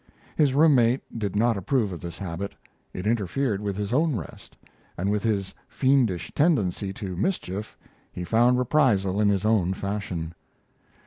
His room mate did not approve of this habit; it interfered with his own rest, and with his fiendish tendency to mischief he found reprisal in his own fashion.